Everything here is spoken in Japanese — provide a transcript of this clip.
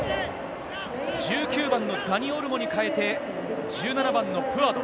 １９番のダニ・オルモに代えて、１７番のプアド。